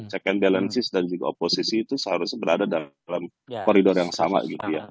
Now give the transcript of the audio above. check and balances dan juga oposisi itu seharusnya berada dalam koridor yang sama gitu ya